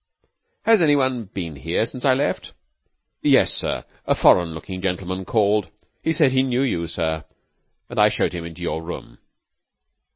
_) "Has any one been here since I left?" "Yes, sir. A foreign looking gentleman called. He said he knew you, sir. I showed him into your room."